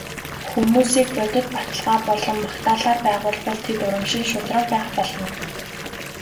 Хүмүүсийг бодит баталгаа болон магтаалаар байгуулбал тэд урамшин шударга байх болно.